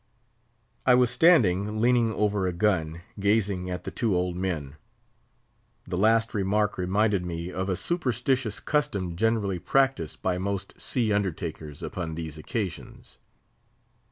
I was standing leaning over a gun, gazing at the two old men. The last remark reminded me of a superstitious custom generally practised by most sea undertakers upon these occasions.